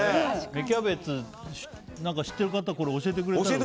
芽キャベツ知ってる方、教えてくださいね。